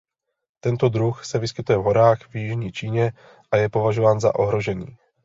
Tento druh se vyskytuje v horách v jižní Číně a je považován za ohrožený.